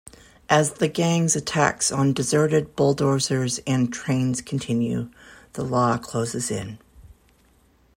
As the gang's attacks on deserted bulldozers and trains continue, the law closes in.